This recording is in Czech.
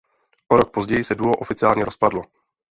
O rok později se duo oficiálně rozpadlo.